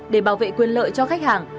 để bảo vệ quyền lợi cho khách hàng